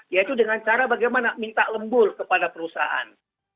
yaitu dengan cara bagaimana minta lembul kepada perusahaan